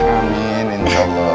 amin insya allah